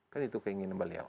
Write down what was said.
kan itu keinginan beliau